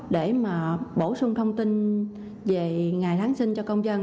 để mà bổ sung thông tin về ngày giáng sinh cho công dân